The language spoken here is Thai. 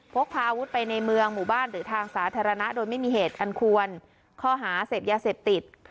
พกพาอาวุธไปในเมืองหมู่บ้านหรือทางสาธารณะโดยไม่มีเหตุอันควรข้อหาเสพยาเสพติด